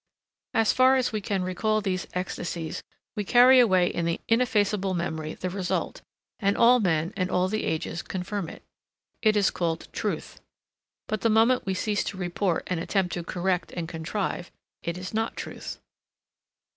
As far as we can recall these ecstasies we carry away in the ineffaceable memory the result, and all men and all the ages confirm it. It is called Truth. But the moment we cease to report and attempt to correct and contrive, it is not truth.